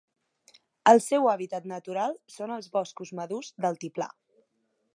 El seu hàbitat natural són els boscos madurs d'altiplà.